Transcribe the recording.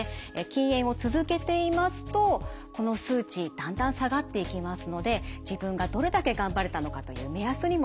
禁煙を続けていますとこの数値だんだん下がっていきますので自分がどれだけ頑張れたのかという目安にもつながります。